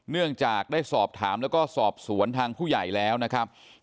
เนื่องจากได้สอบถามแล้วก็สอบสวนทางผู้ใหญ่แล้วนะครับ